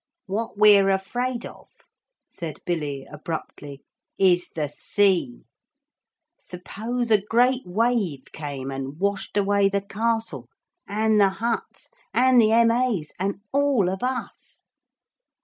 'What we're afraid of,' said Billy abruptly, 'is the sea. Suppose a great wave came and washed away the castle, and the huts, and the M.A.'s and all of us?'